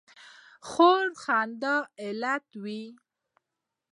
خور د خندا علت وي.